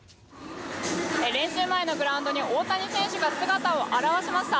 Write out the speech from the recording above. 練習前のグランドに大谷選手が姿を現しました。